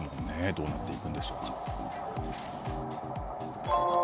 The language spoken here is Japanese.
どうなっていくんでしょうか。